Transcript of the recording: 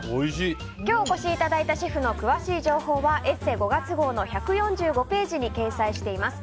今日お越しいただいたシェフの詳しい情報は「ＥＳＳＥ」５月号の１４５ページに掲載しています。